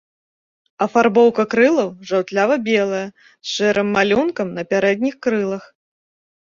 Афарбоўка крылаў жаўтлява-белая, з шэрым малюнкам на пярэдніх крылах.